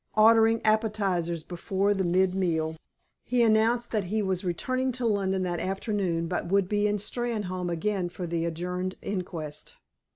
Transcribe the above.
Ordering appetizers before the mid day meal, he announced that he was returning to London that afternoon, but would be in Steynholme again for the adjourned inquest.